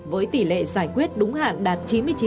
với tỷ lệ giải quyết đúng hạn đạt chín mươi chín